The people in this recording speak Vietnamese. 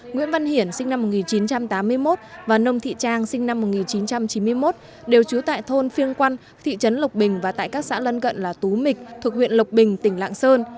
nguyễn văn hiển sinh năm một nghìn chín trăm tám mươi một và nông thị trang sinh năm một nghìn chín trăm chín mươi một đều trú tại thôn phiêng quăn thị trấn lộc bình và tại các xã lân cận là tú mịch thuộc huyện lộc bình tỉnh lạng sơn